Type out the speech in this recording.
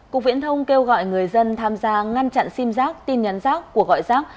cục viễn thông kêu gọi người dân tham gia ngăn chặn sim giác tin nhắn giác của gọi giác